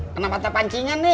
kenapa tepancingan nih